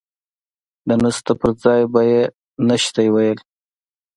د نسته پر ځاى به يې نيشتې ويل.